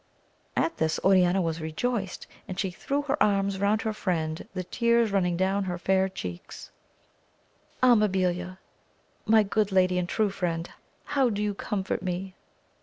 At this Oriana was rejoiced, and she threw her arms round her Mend, the tears running down her fair cheeks — Ah Mabilia my good lady and true friend, how do you comfort me